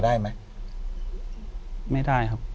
อยู่ที่แม่ศรีวิรัยิลครับ